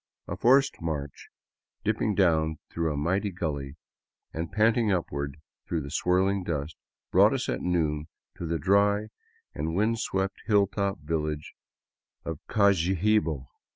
A forced march, dipping down through a mighty gully and panting up ward through swirling dust, brought us at noon to the dry and wind swept hilltop village of Cajibio.